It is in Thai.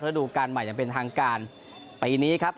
ดูการใหม่อย่างเป็นทางการปีนี้ครับ